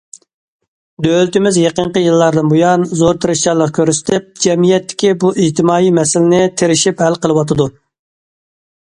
دۆلىتىمىز يېقىنقى يىللاردىن بۇيان، زور تىرىشچانلىق كۆرسىتىپ، جەمئىيەتتىكى بۇ ئىجتىمائىي مەسىلىنى تىرىشىپ ھەل قىلىۋاتىدۇ.